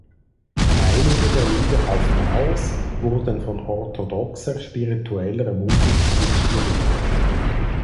Einige der Lieder auf "Naos" wurden von orthodoxer spiritueller Musik inspiriert.